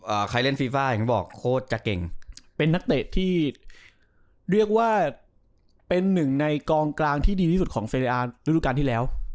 ใครเล่นฟีฟ่าเห็นบอกโค้ดจะเก่งเป็นนักเตะที่เรียกว่าเป็นหนึ่งในกองกลางที่ดีที่สุดของเรอาร์ฤดูการที่แล้ว